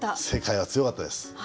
世界は強かったです。